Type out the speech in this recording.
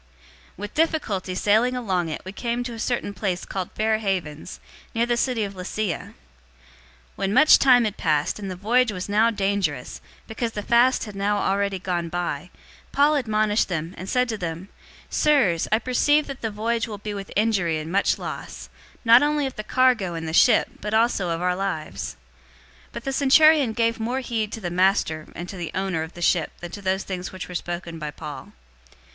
027:008 With difficulty sailing along it we came to a certain place called Fair Havens, near the city of Lasea. 027:009 When much time had passed and the voyage was now dangerous, because the Fast had now already gone by, Paul admonished them, 027:010 and said to them, "Sirs, I perceive that the voyage will be with injury and much loss, not only of the cargo and the ship, but also of our lives." 027:011 But the centurion gave more heed to the master and to the owner of the ship than to those things which were spoken by Paul.